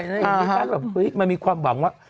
ลิซ่าแบบเฮ้ยมันมีความหวังว่า